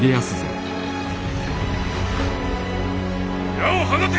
矢を放て！